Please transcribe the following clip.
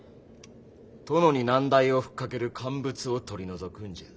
殿に難題を吹っかける奸物を取り除くんじゃ。